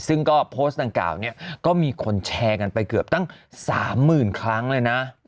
ซึ่งก็โพสต์ดังกล่าวเนี่ยก็มีคนแชร์กันไปเกือบตั้ง๓๐๐๐ครั้งเลยนะ